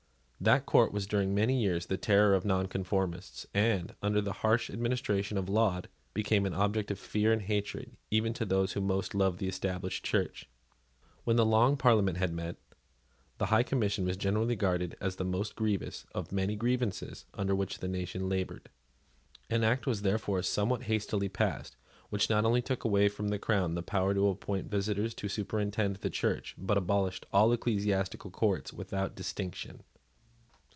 That court was, during many years, the terror of Nonconformists, and, under the harsh administration of Laud, became an object of fear and hatred even to those who most loved the Established Church. When the Long Parliament met, the High Commission was generally regarded as the most grievous of the many grievances under which the nation laboured. An act was therefore somewhat hastily passed, which not only took away from the Crown the power of appointing visitors to superintend the Church, but abolished all ecclesiastical courts without distinction.